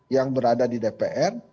yang berada di dpr